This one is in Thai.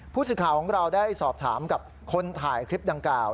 ผู้สื่อข่าวของเราได้สอบถามกับคนถ่ายคลิปดังกล่าว